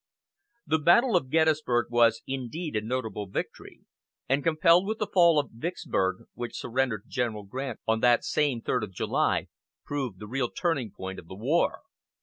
The battle of Gettysburg was indeed a notable victory, and coupled with the fall of Vicksburg, which surrendered to General Grant on that same third of July, proved the real turning point of the war.